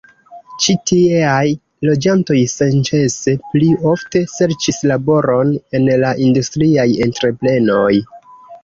Ĉi tieaj loĝantoj senĉese pli ofte serĉis laboron en la industriaj entreprenoj.